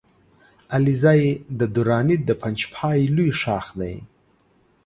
علیزی د دراني د پنجپای لوی ښاخ دی